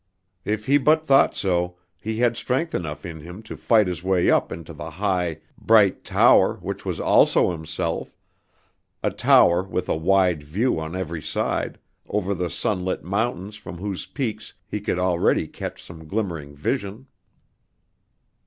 If he but thought so, he had strength enough in him to fight his way up into the high, bright tower which was also himself, a tower with a wide view on every side, over the sunlit mountains from whose peaks he could already catch some glimmering vision.